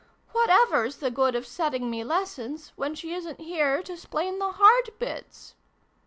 " What ever's the good of setting me lessons, when she isn't here to 'splain the hard bits